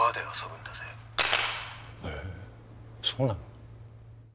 へえそうなの？